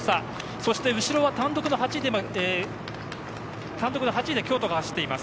そして後ろは単独の８位で京都が走っています。